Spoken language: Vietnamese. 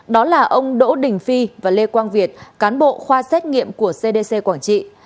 đó là ông đỗ đình phi và lê quang việt cán bộ khoa xét nghiệm của cdc quảng trị